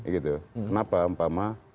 kenapa pak ma